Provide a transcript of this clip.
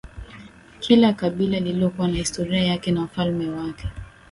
kila kabila lilikuwa na historia yake na wafalme wake